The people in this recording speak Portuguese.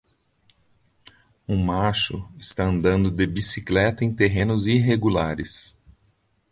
Um macho está andando de bicicleta em terrenos irregulares